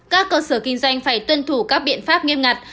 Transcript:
các cơ sở kinh doanh phải tuân thủ các biện pháp nghiêm ngặt